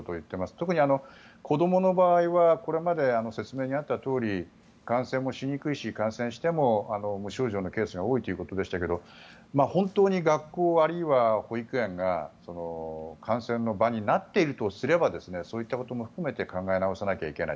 特に、子どもの場合はこれまで説明にあったとおり感染もしにくいし、感染しても無症状のケースが多いということですが学校や保育園が感染の場になっているとしたらそういったことも含めて考え直さなきゃいけない。